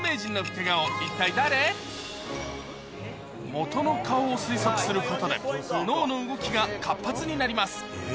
元の顔を推測することで脳の動きが活発になります